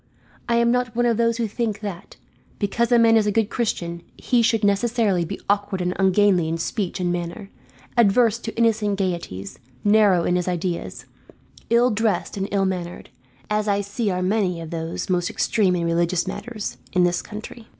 I am not one of those who think that, because a man is a good Christian, he should necessarily be awkward and ungainly in speech and manner, adverse to innocent gaieties, narrow in his ideas, ill dressed and ill mannered, as I see are many of those most extreme in religious matters, in this country."